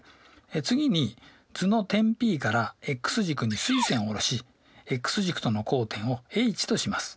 次に図の点Ｐからｘ軸に垂線を下ろしｘ軸との交点をＨとします。